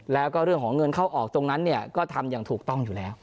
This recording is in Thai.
แล้วก็เรื่องของเงินเข้าออกตรงนั้นเนี่ยก็ทำอย่างถูกต้องอยู่แล้ว